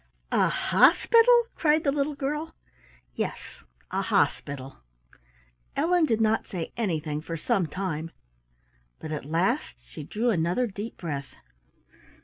"A hospital!" cried the little girl. "Yes, a hospital." Ellen did not say anything for some time, but at last she drew another deep breath.